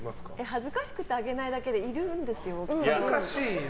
恥ずかしくて挙げないだけでいるんですよ。